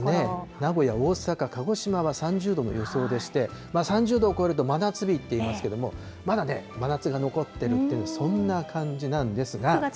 名古屋、大阪、鹿児島は３０度の予想でして、３０度を超えると真夏日といいますけれども、まだね、真夏が残ってるっていう、そんな感じなんですが。